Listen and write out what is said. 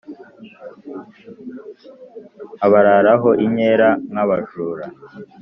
Abararaho inkera nk’abajura